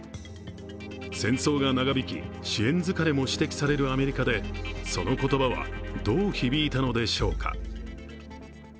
戦争が長引き、支援疲れも指摘されるアメリカで、その言葉はどう響いたのでしょうか。